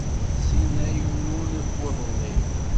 Ṣṣin ay ulun f uḍefli.